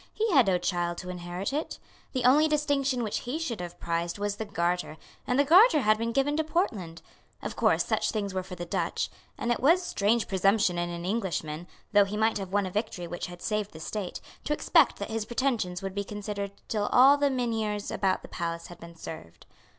He had no child to inherit it. The only distinction which he should have prized was the garter; and the garter had been given to Portland. Of course, such things were for the Dutch; and it was strange presumption in an Englishman, though he might have won a victory which had saved the State, to expect that his pretensions would be considered till all the Mynheers about the palace had been served.